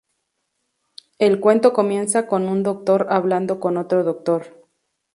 El cuento comienza con un doctor hablando con otro doctor.